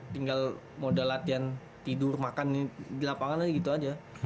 tinggal modal latihan tidur makan di lapangan aja gitu aja